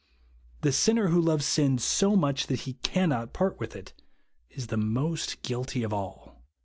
The sinner who loves sin so much that he " can not" part with it, is the most guilty of all.